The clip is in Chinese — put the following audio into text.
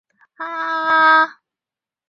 糙臭草为禾本科臭草属下的一个种。